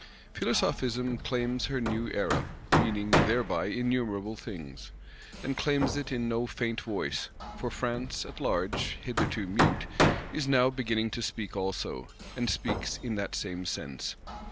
Philosophism claims her new Era, meaning thereby innumerable things. And claims it in no faint voice; for France at large, hitherto mute, is now beginning to speak also; and speaks in that same sense.